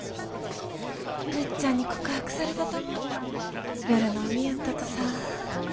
むっちゃんに告白されたとも夜の海やったとさ。